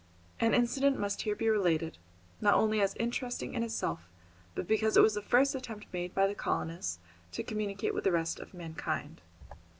An incident must here be related, not only as interesting in itself, but because it was the first attempt made by the colonists to communicate with the rest of mankind.